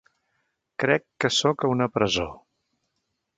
Crec que sóc a una presó.